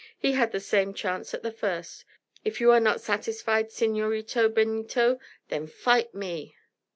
"He had the same chance at the first. If you are not satisfied, Senorito Benito, then fight me."